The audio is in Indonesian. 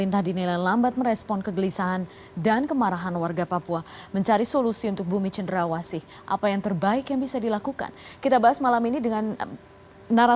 jadi kita tidak boleh langsung menuduh karena itu kan bisa dari mana mana